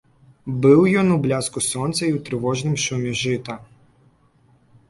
Быў ён у бляску сонца і ў трывожным шуме жыта.